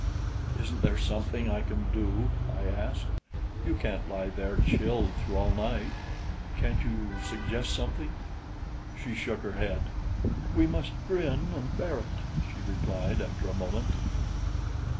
"Isn't there something I can do?" I asked. "You can't lie there chilled through all night. Can't you suggest something?" She shook her head. "We must grin and bear it," she replied after a moment.